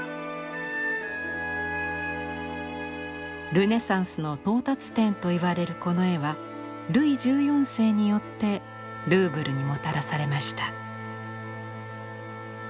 ルネサンスの到達点といわれるこの絵はルイ１４世によってルーブルにもたらされました。